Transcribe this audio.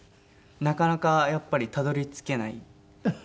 なかなかやっぱりたどり着けないですよね。